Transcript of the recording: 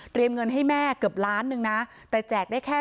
เตรียมเงินให้แม่เกือบล้านหนึ่งนะแต่แจกได้แค่๒๐๐๐๐๐